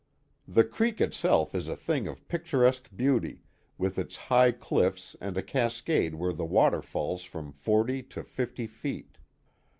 The creek itself is a thing of picturesque beauty, with its high cliffs and a cascade where the water falls from forty to fifty feet.